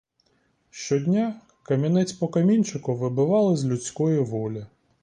Щодня камінець по камінчику вибивали з людської волі.